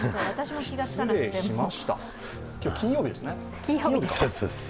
今日、金曜日ですね。